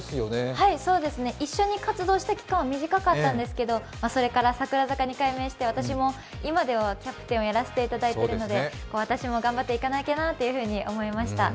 はい、一緒に活動した期間は短かったんですけどそれから櫻坂に改名して私も今ではキャプテンをやらせていただいているので、私も頑張っていかなきゃなと思いました。